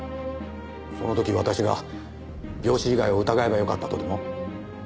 その時私が病死以外を疑えばよかったとでも？